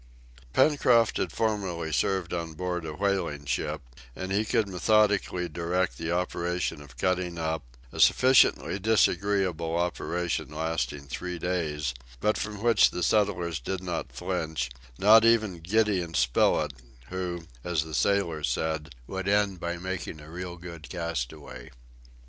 Pencroft had formerly served on board a whaling ship, and he could methodically direct the operation of cutting up, a sufficiently disagreeable operation lasting three days, but from which the settlers did not flinch, not even Gideon Spilett, who, as the sailor said, would end by making a "real good castaway."